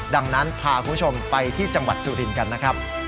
ดังนั้นพาคุณผู้ชมไปที่จังหวัดสุรินทร์กันนะครับ